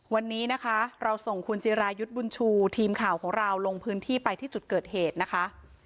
วันนี้นะคะเราส่งคุณจิรายุทธ์บุญชูทีมข่าวของเราลงพื้นที่ไปที่จุดเกิดเหตุนะคะ